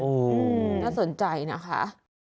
อืมน่าสนใจนะคะ